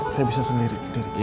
saya bisa sendiri